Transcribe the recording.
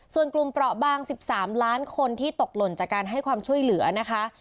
ส่วนกลุ่มเปราะบาง๑๓ล้านคนที่ตกหล่นจากการให้ความช่วยเหลือนะคะ